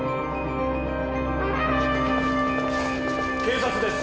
警察です。